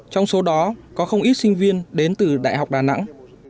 trong số đó có không ít sinh viên đến từ đại học đà nẵng